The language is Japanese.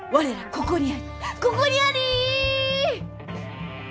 ここにあり！」。